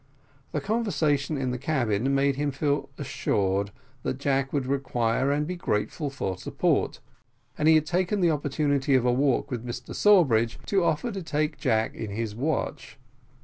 The conversation in the cabin made him feel assured that Jack would require and be grateful for support, and he had taken the opportunity of a walk with Mr Sawbridge, to offer to take Jack in his watch.